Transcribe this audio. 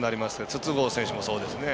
筒香選手もそうですね。